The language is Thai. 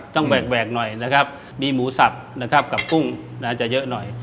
แหวกหน่อยนะครับมีหมูสับนะครับกับกุ้งจะเยอะหน่อย